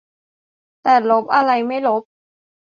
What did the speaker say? แต่ลบอะไรไม่ลบ